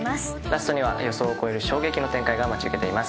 ラストには予想を超える衝撃の展開が待ち受けています。